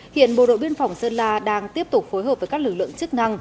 hiện bộ đội biên phòng sơn la đang tiếp tục phối hợp với các lực lượng chức năng